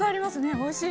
おいしい。